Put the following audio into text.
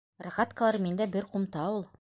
Рогаткалар миндә бер ҡумта ул...